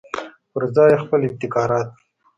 پرځای یې خپل ابتکارات.